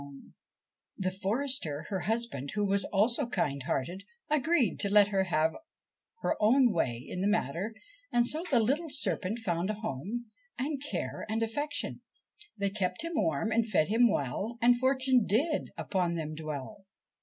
[See page 39 THE SERPENT PRINCE The forester, her husband, who was also kind hearted, agreed to let her have her own way in the matter, and so the little serpent found a home and care and affection. They kept him warm and fed him well, And fortune did upon them dwell.